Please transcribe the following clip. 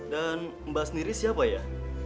dan mbak sendiri siapa ya